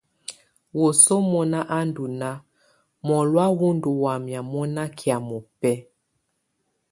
Wǝ́suǝ mɔ̀na á ndɔ̀ nàà, mɔlɔ̀á wù ndù wamɛ̀á mɔna kɛ̀́á mɔbɛ̀á.